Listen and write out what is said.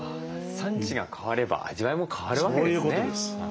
産地が変われば味わいも変わるわけですね。